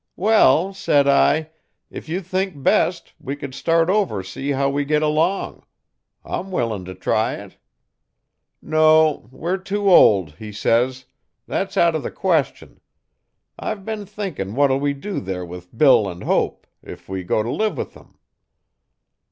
"Well," said I, "if you think best we could start over see how we git along. I'm willin' if try it." "No, we re too old," he says. "Thet's out o' the question. I've been thinkin' what'll we do there with Bill 'n Hope if we go t'live with 'em?